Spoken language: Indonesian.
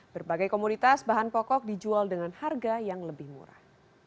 berbagai komoditas bahan pokok dijual dengan harga yang lebih murah